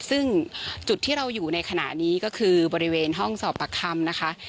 ซึ่งจุดที่เราอยู่ในขณะนี้ก็คือบริเวณห้องสอบปากคำนะคะ